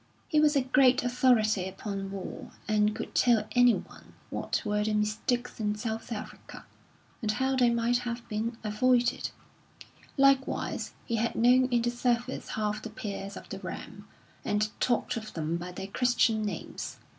He was a great authority upon war, and could tell anyone what were the mistakes in South Africa, and how they might have been avoided; likewise he had known in the service half the peers of the realm, and talked of them by their Christian names.